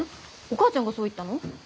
お母ちゃんがそう言ったの？